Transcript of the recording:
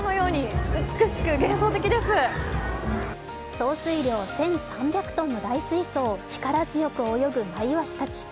総水量、１３００ｔの大水槽を力強く泳ぐマイワシたち。